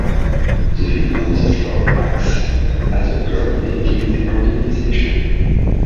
The union therefore acts as a coordinating organization.